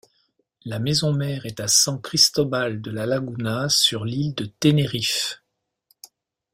La maison-mère est à San Cristóbal de La Laguna sur l'île de Tenerife.